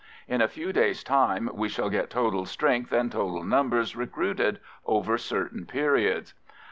In a few days' time we shall get total strength and total numbers recruited over certain periods.